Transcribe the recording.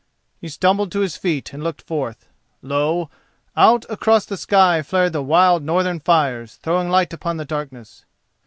He stumbled to his feet and looked forth. Lo! out across the sky flared the wild Northern fires, throwing light upon the darkness.